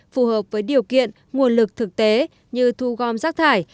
phù hợp với điều kiện nguồn lực thực tế như thu gom rác thải